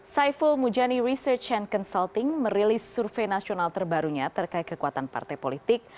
saiful mujani research and consulting merilis survei nasional terbarunya terkait kekuatan partai politik